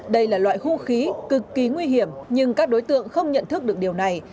đây là loại hung khí cực kỳ nguy hiểm nhưng các đối tượng không nhận thức được điều này